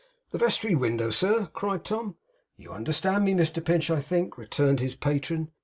'The vestry window, sir?' cried Tom. 'You understand me, Mr Pinch, I think,' returned his patron.